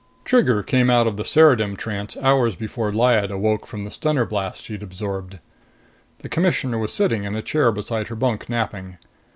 23 Trigger came out of the ceridim trance hours before Lyad awoke from the stunner blast she'd absorbed. The Commissioner was sitting in a chair beside her bunk, napping.